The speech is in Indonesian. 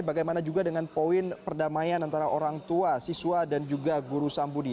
bagaimana juga dengan poin perdamaian antara orang tua siswa dan juga guru sambudi